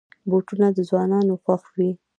بوټونه د ځوانانو خوښ وي.